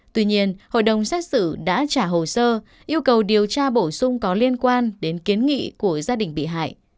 tuy nhiên hội đồng xét xử đã trả hồ sơ yêu cầu điều tra bổ sung có liên quan đến kiến nghị của gia đình bị hại